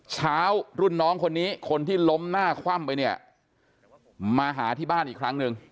เช้ารุ่นน้องคนนี้คนที่ล้มหน้าคว่ำไปเนี่ยมาหาที่บ้านอีกครั้งหนึ่ง